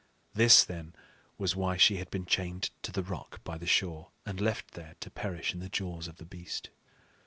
This, then, was why she had been chained to the rock by the shore and left there to perish in the jaws of the beast.